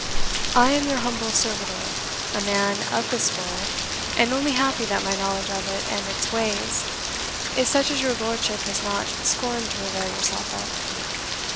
I am your humble servitor a man of this world, and only happy that my knowledge of it, and its ways, is such as your lordship has not scorned to avail yourself of.